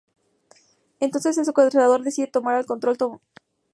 Entonces un secuestrador decide tomar el control total y ejecutar a Phillips.